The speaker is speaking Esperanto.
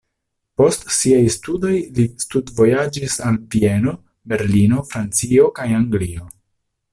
Post siaj studoj li studvojaĝis al Vieno, Berlino, Francio kaj Anglio.